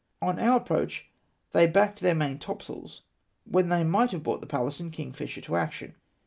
On our ap proach they backed their maintopsails, when they might have brought the Pallas and Kingfisher to action.